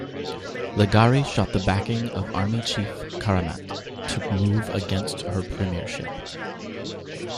Leghari sought the backing of the Army Chief, Karamat, to move against her premiership.